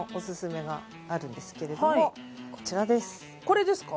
これですか？